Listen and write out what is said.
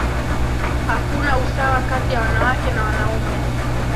Hakuna usawa kati ya wanawake na wanaume